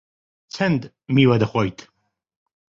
چەند میوە دەخۆیت؟